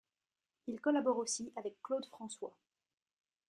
Il collabore aussi avec Claude François.